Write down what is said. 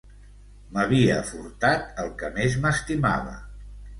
M'havia furtat el que més estimava.